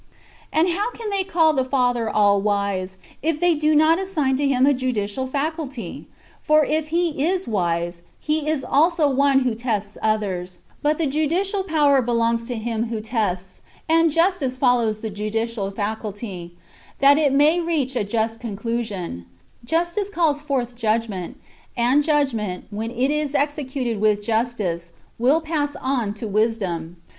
And how can they call the Father of all wise, if they do not assign to Him a judicial faculty ? For if He is wise, He is also one who tests [others] ; but the judicial power belongs to him who tests, and justice follows the judicial faculty, that it may reach a just conclusion ; justice calls forth judgment, and judgment, when it is executed with justice, will pass on to wisdom.